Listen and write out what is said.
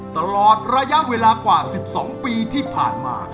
ตลอดระยะเวลากว่า๑๒ปีที่ผ่านมา